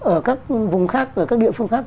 ở các vùng khác ở các địa phương khác